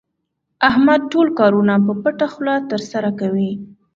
احمد ټول کارونه په پټه خوله ترسره کوي.